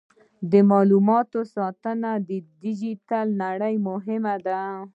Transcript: د معلوماتو ساتنه د ډیجیټل نړۍ مهمه برخه ده.